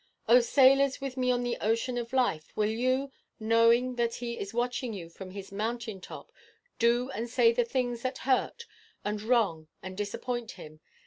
"O sailors with me on the ocean of life, will you, knowing that he is watching you from his mountain top, do and say the things that hurt, and wrong, and disappoint him?